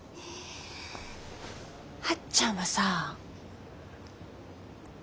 はっちゃんはさ。